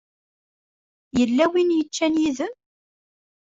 Yella win yeččan yid-m?